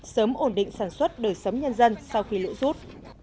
sớm ổn định sản xuất đời sống nhân dân sau khi lũ rút